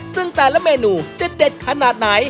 ซึ่งแต่ละเมนูจะเด็ดขนาดไหน